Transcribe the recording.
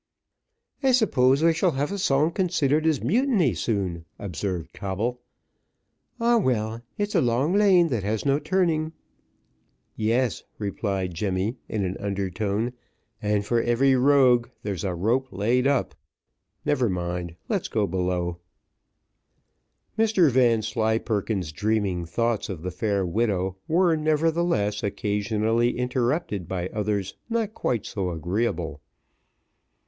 "I suppose we shall have a song considered as mutiny soon," observed Coble. "Ah, well, it's a long lane that has no turning." "Yes," replied Jemmy, in an under tone, "and for every rogue there's a rope laid up. Never mind, let us go below." Mr Vanslyperken's dreaming thoughts of the fair widow were nevertheless occasionally interrupted by others not quite so agreeable.